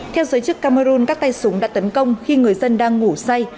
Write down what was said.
theo giới chức cameroon các tay súng đã tấn công khi người dân đang ngủ say